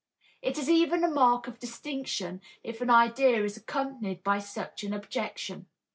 It is even a mark of distinction if an idea is accompanied by such an objection.